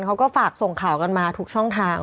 เขาก็ฝากส่งข่าวกันมาทุกช่องทาง